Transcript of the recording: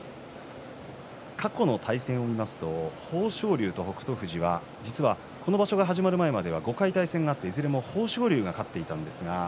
過去の対戦を見ますと豊昇龍と北勝富士はこの場所が始まる前までは５回対戦があって豊昇龍が勝っていました。